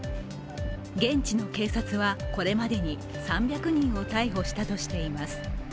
現地の警察は、これまでに３００人を逮捕したとしています。